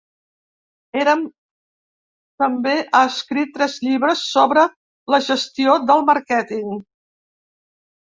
Erem també ha escrit tres llibres sobre la gestió del màrqueting.